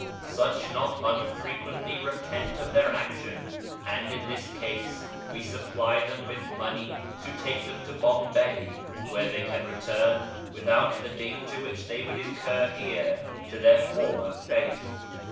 Such not unfrequently repent of their action, and in this case we supply them with money to take them to Bombay, where they can return, without the danger which they would incur here, to their former faith.